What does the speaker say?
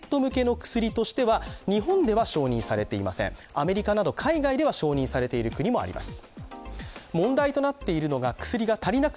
アメリカなど海外では承認されている国もあります。